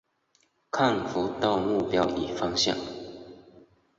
看不到目标与方向